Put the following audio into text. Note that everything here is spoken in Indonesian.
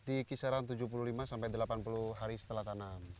di kisaran tujuh puluh lima sampai delapan puluh hari setelah tanam